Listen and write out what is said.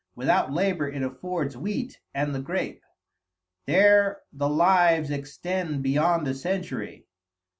Without labor it affords wheat and the grape. There the lives extend beyond a century.